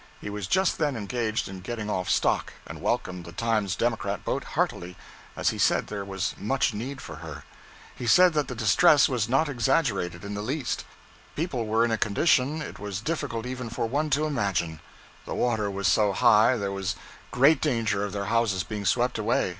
He was just then engaged in getting off stock, and welcomed the 'Times Democrat' boat heartily, as he said there was much need for her. He said that the distress was not exaggerated in the least. People were in a condition it was difficult even for one to imagine. The water was so high there was great danger of their houses being swept away.